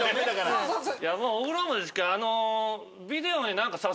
お風呂もですけどあの。